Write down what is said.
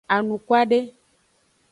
Anukwade.